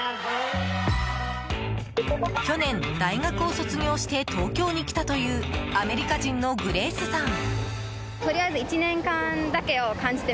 去年、大学を卒業して東京に来たというアメリカ人のグレースさん。